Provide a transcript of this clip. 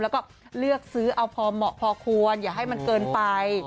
แล้วก็เลือกซื้อเอาพอเหมาะพอควรอย่าให้มันเกินไป